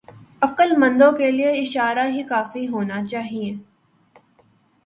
عقلمندوں کے لئے اشارے ہی کافی ہونے چاہئیں۔